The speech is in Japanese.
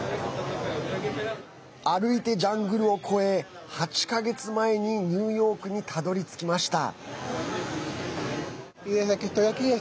歩いてジャングルを越え８か月前にニューヨークにたどりつきました。